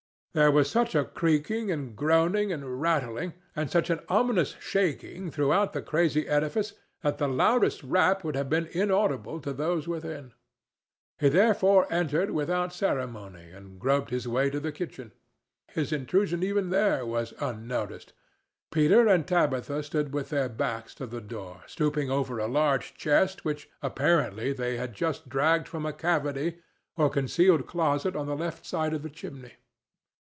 There was such a creaking and groaning and rattling, and such an ominous shaking, throughout the crazy edifice that the loudest rap would have been inaudible to those within. He therefore entered without ceremony, and groped his way to the kitchen. His intrusion even there was unnoticed. Peter and Tabitha stood with their backs to the door, stooping over a large chest which apparently they had just dragged from a cavity or concealed closet on the left side of the chimney.